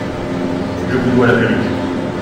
Je vous dois la vérité.